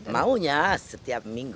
maunya setiap minggu